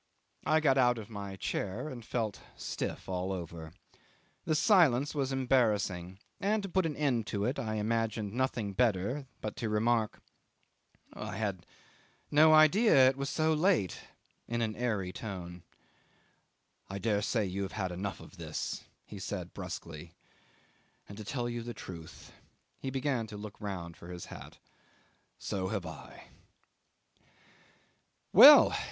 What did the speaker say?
I got out of my chair and felt stiff all over. The silence was embarrassing, and to put an end to it I imagined nothing better but to remark, "I had no idea it was so late," in an airy tone. ... "I dare say you have had enough of this," he said brusquely: "and to tell you the truth" he began to look round for his hat "so have I." 'Well!